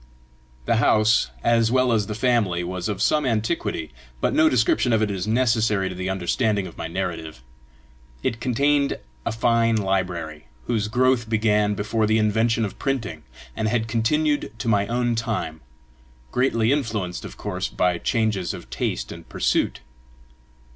The house as well as the family was of some antiquity, but no description of it is necessary to the understanding of my narrative. It contained a fine library, whose growth began before the invention of printing, and had continued to my own time, greatly influenced, of course, by changes of taste and pursuit.